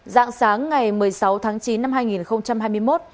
dạng sáng ngày một mươi sáu tháng chín năm hai nghìn hai mươi một